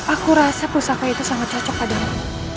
aku rasa pusaka itu sangat cocok padamu